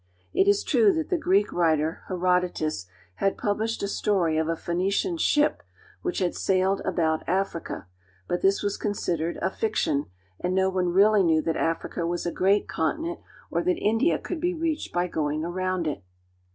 It is true that the Greek writer Herodotus had published a story of a Phoenician ship which had sailed about Africa, but this was con sidered a fiction and no one really knew that Africa was a. great continent, or that India could be reached by going around it.